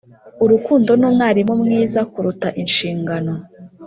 “urukundo ni umwarimu mwiza kuruta inshingano.”